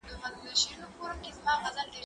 زه اجازه لرم چي اوبه پاک کړم؟